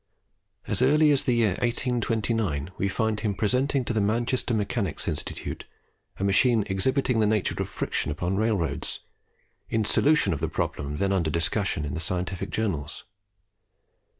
As early as the year 1829 we find him presenting to the Manchester Mechanics' Institute a machine exhibiting the nature of friction upon railroads, in solution of the problem then under discussion in the scientific journals.